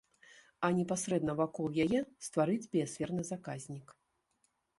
А непасрэдна вакол яе стварыць біясферны заказнік.